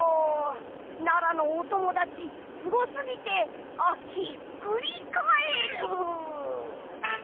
奈良のおともだちすごすぎてあっひっくりカエル！